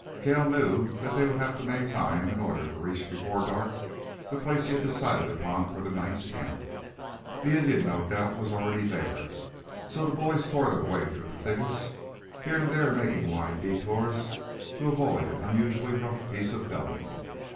Cale knew that they would have to make time in order to reach before dark the place he had decided upon for the night's camp. The Indian, no doubt, was already there. So the boys tore their way through the thickets, here and there making wide detours to avoid an unusually rough piece of going.